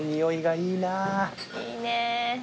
いいねぇ。